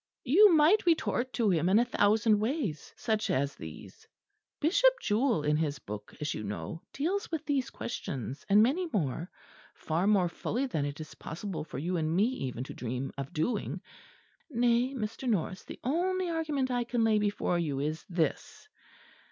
You might retort to him in a thousand ways such as these. Bishop Jewell, in his book, as you know, deals with these questions and many more; far more fully than it is possible for you and me even to dream of doing. Nay, Mr. Norris; the only argument I can lay before you is this.